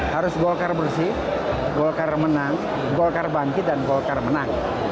harus golkar bersih golkar menang golkar bangkit dan golkar menang